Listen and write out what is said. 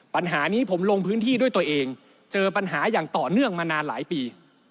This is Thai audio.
ปัญหานี้ผมลงพื้นที่ด้วยตัวเองเจอปัญหาอย่างต่อเนื่องมานานหลายปี